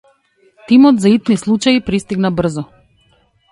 Тимот за итни случаи пристигна брзо.